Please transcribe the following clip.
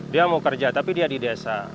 dia mau kerja tapi dia di desa